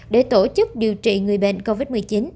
để tổ chức điều trị người bệnh covid một mươi chín